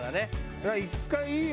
だから１回いいよ。